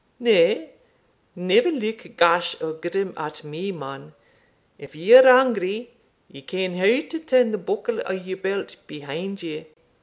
Nay, never look gash or grim at me, man if ye're angry, ye ken how to turn the buckle o' your belt behind you."